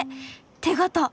手形！